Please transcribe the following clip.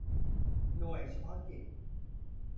หน่วยเฉพาะกิจ